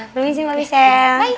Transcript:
belum isi mbak nisya